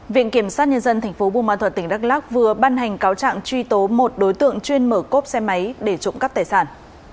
viện kiểm sát nhân dân tp buôn ma thuật tỉnh đắk lắc vừa ban hành cáo trạng truy tố một đối tượng chuyên mở cốp xe máy để trộm cắp tài sản